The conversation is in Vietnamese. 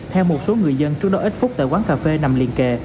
theo một số người dân trước đó ít phút tại quán cà phê nằm liền kề